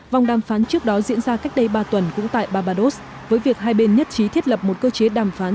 vòng đàm phán trước đó diễn ra cách đây ba tuần cũng tại barbados với việc hai bên nhất trí thiết lập một cơ chế đàm phán